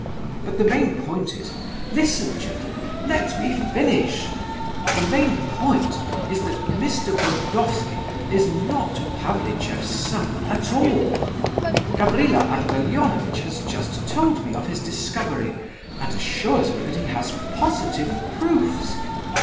But the main point is—listen, gentlemen, let me finish!—the main point is that Mr. Burdovsky is not Pavlicheff's son at all. Gavrila Ardalionovitch has just told me of his discovery, and assures me that he has positive proofs.